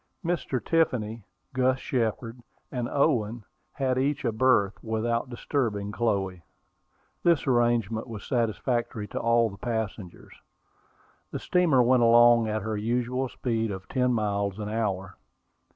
Mr. Tiffany, Gus Shepard, and Owen had each a berth, without disturbing Chloe. This arrangement was satisfactory to all the passengers. The steamer went along at her usual speed of ten miles an hour.